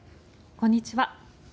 こんにちは。